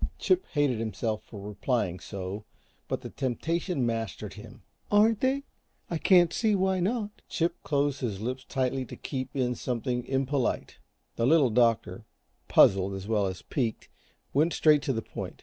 Chip hated himself for replying so, but the temptation mastered him. "Aren't they? I can't see why not." Chip closed his lips tightly to keep in something impolite. The Little Doctor, puzzled as well as piqued, went straight to the point.